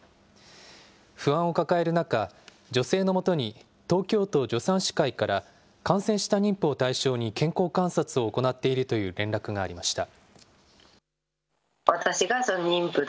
不安を抱える中、女性のもとに東京都助産師会から、感染した妊婦を対象に健康観察を行っているという連絡がありました。